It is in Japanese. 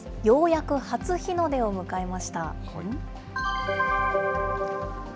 ようやく初日の出を迎えました。